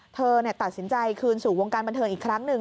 เธอตัดสินใจคืนสู่วงการบันเทิงอีกครั้งหนึ่ง